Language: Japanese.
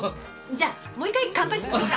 じゃあもう１回乾杯しましょうか。